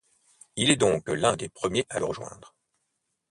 Il est donc l'un des premiers à le rejoindre.